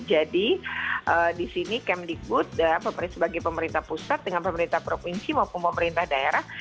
jadi di sini kemdikbud sebagai pemerintah pusat dengan pemerintah provinsi maupun pemerintah daerah